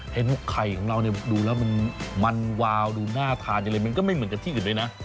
เห็นทุกไข่ของเราดูแล้วมันวาวดูน่าทานเหมือนกับที่อื่นด้วยนะ